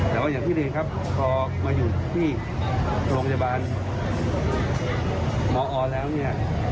แต่ว่าอย่างที่เรียนครับพอมาอยู่ที่โรงพยาบาลมอแล้วเนี่ย